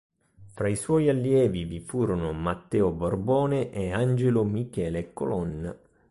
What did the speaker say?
Fra i suoi allievi vi furono Matteo Borbone e Angelo Michele Colonna.